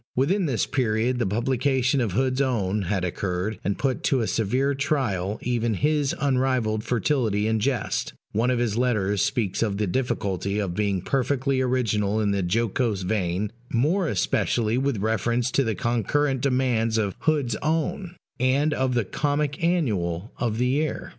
Within this period the publication of Hood's Own had occurred, and put to a severe trial even his unrivalled fertility in jest: one of his letters speaks of the difficulty of being perfectly original in the jocose vein, more especially with reference to the concurrent demands of Hood's Own, and of the Comic Annual of the year.